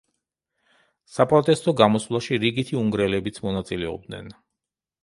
საპროტესტო გამოსვლაში რიგითი უნგრელებიც მონაწილეობდნენ.